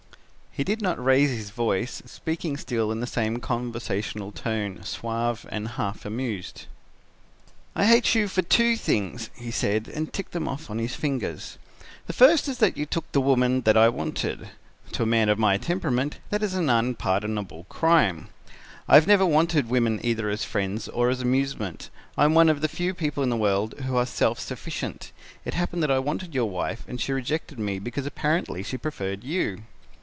"He did not raise his voice, speaking still in the same conversational tone, suave and half amused. "'I hate you for two things,' he said, and ticked them off on his fingers: 'the first is that you took the woman that I wanted. To a man of my temperament that is an unpardonable crime. I have never wanted women either as friends or as amusement. I am one of the few people in the world who are self sufficient. It happened that I wanted your wife and she rejected me because apparently she preferred you.'